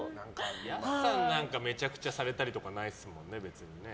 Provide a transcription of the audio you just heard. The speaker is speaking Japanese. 安さんなんかはめちゃくちゃされたりとかはないですよね。